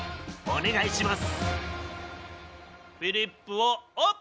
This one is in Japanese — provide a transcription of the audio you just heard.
お願いします！